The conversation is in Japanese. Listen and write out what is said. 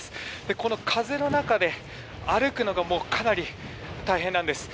この風の中で歩くのがかなり大変なんですね。